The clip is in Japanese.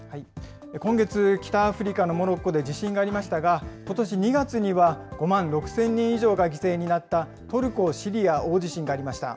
今月、北アフリカのモロッコで地震がありましたが、ことし２月には、５万６０００人以上が犠牲になったトルコ・シリア大地震がありました。